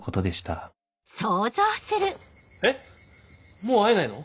もう会えないの？